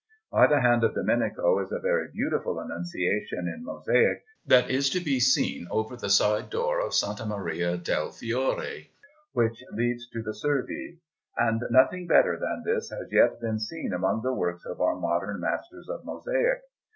By the hand of Domenico is a very beautiful Annunciation in mosaic that is to be seen over that side door of S. Maria del Fiore which leads to the Servi; and nothing better than this has yet been seen among the works of our modern masters of mosaic.